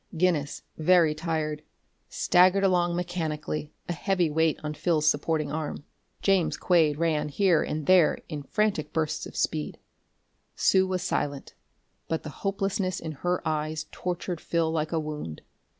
Guinness, very tired, staggered along mechanically, a heavy weight on Phil's supporting arm; James Quade ran here and there in frantic spurts of speed. Sue was silent, but the hopelessness in her eyes tortured Phil like a wound.